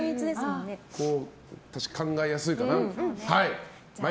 確かに、考えやすいかな。